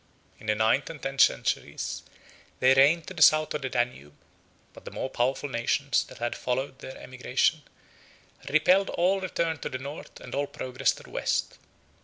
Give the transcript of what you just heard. In the ninth and tenth centuries, they reigned to the south of the Danube; but the more powerful nations that had followed their emigration repelled all return to the north and all progress to the west.